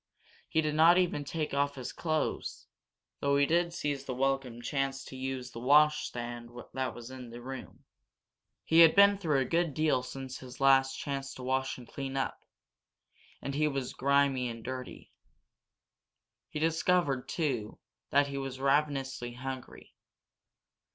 He did not even take off his clothes, though he did seize the welcome chance to us the washstand that was in the room. He had been through a good deal since his last chance to wash and clean up, and he was grimmy and dirty. He discovered, too, that he was ravenously hungry.